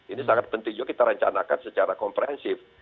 ini sangat penting juga kita rencanakan secara komprehensif